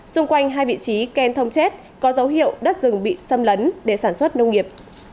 xung quanh hai vị trí khen thông chết có dấu hiệu đất rừng bị xâm lấn để sản xuất nông nghiệp